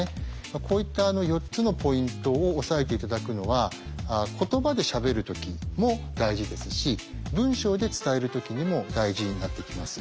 こういった４つのポイントを押さえて頂くのは言葉でしゃべるときも大事ですし文章で伝えるときにも大事になってきます。